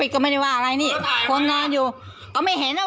ทำไมมีเข็นอยู่จังเทียบ